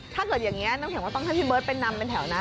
ถ้าเกิดอย่างนี้น้ำแข็งก็ต้องให้พี่เบิร์ตไปนำเป็นแถวนะ